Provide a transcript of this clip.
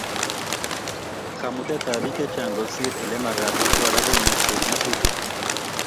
Kamutetab bik chechang kosir Ile magat ko Kora koimuch koib nyasutik